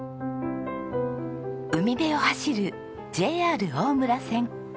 海辺を走るＪＲ大村線。